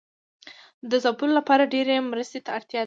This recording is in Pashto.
د ځپلو لپاره ډیرې مرستې ته اړتیا لري.